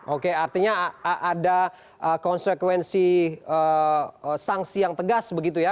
oke artinya ada konsekuensi sanksi yang tegas begitu ya